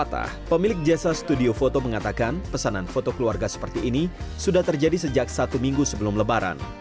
fatah pemilik jasa studio foto mengatakan pesanan foto keluarga seperti ini sudah terjadi sejak satu minggu sebelum lebaran